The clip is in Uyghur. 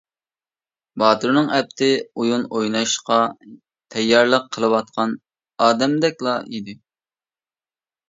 باتۇرنىڭ ئەپتى ئويۇن ئويناشقا تەييارلىق قىلىۋاتقان ئادەمدەكلا ئىدى.